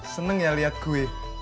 seneng ya liat gue